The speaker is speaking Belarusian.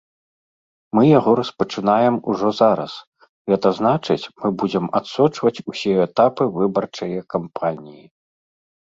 Мы яго распачынаем ужо зараз, гэта значыць, мы будзем адсочваць усе этапы выбарчае кампаніі.